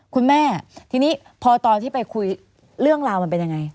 คุณแม่ทีนี้พอตอนที่ไปคุยเรื่องราวมันเป็นยังไง